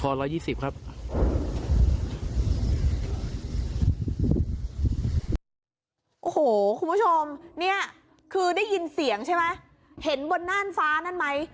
โอ้โหคุณผู้ชมเนี่ยคือได้ยินเสียงใช่ไหมเห็นบนน่านฟ้านั่นไหม